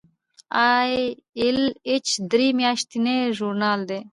ای ایل ایچ درې میاشتنی ژورنال دی.